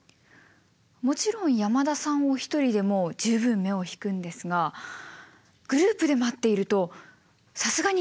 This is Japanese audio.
もちろん山田さんお一人でも十分目を引くんですがグループで待っているとさすがに「えっ！？」となりますね。